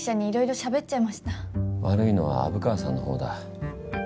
悪いのは虻川さんのほうだ。